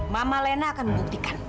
mama lena akan membuktikan